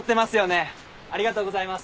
ありがとうございます。